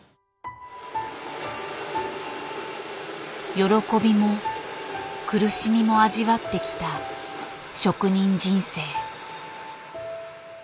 喜びも苦しみも味わってきた職人人生。